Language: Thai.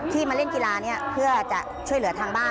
มาเล่นกีฬานี้เพื่อจะช่วยเหลือทางบ้าน